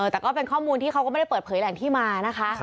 แต่ก็เป็นข้อมูลที่เขาก็ไม่ได้เปิดเผยแหล่งที่มานะคะ